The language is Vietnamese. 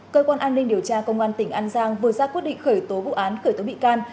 cơ quan an ninh điều tra công an tỉnh an giang vừa ra quyết định khởi tố vụ án khởi tố bị can